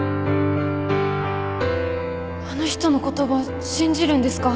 あの人の言葉信じるんですか？